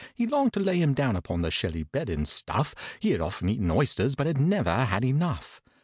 He longed to lay him down upon the shelly bed, and stuff: He had often eaten oysters, but had never had enough.